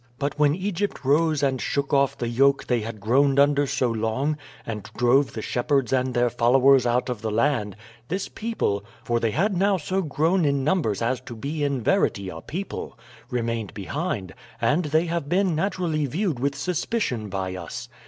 But when Egypt rose and shook off the yoke they had groaned under so long, and drove the shepherds and their followers out of the land, this people for they had now so grown in numbers as to be in verity a people remained behind, and they have been naturally viewed with suspicion by us.